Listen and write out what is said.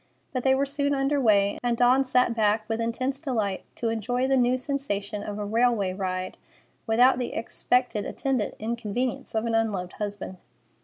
But they were soon under way, and Dawn sat back with intense delight to enjoy the new sensation of a railway ride, without the expected attendant inconvenience of an unloved husband.